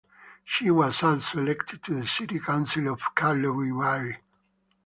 She was also elected to the city council of Karlovy Vary.